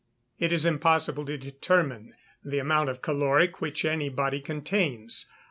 _ It is impossible to determine the amount of caloric which any body contains.